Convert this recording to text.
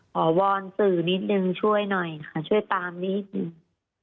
วอนสื่อนิดนึงช่วยหน่อยค่ะช่วยตามนิดนึง